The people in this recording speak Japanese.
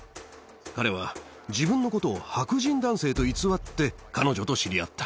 彼は自分のことを白人男性と偽って、彼女と知り合った。